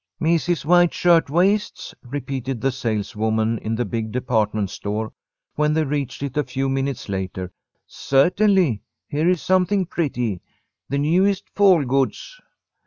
"Misses' white shirt waists?" repeated the saleswoman in the big department store, when they reached it a few minutes later. "Certainly. Here is something pretty. The newest fall goods."